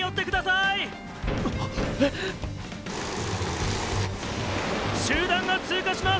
えっ⁉・集団が通過します！